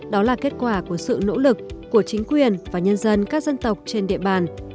đó là kết quả của sự nỗ lực của chính quyền và nhân dân các dân tộc trên địa bàn